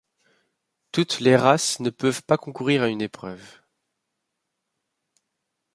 Toutes les races ne peuvent pas concourir à une épreuve.